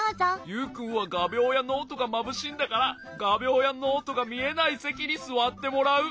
ユウくんはがびょうやノートがまぶしいんだからがびょうやノートがみえないせきにすわってもらう。